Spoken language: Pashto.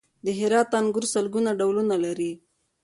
د هرات انګور سلګونه ډولونه لري.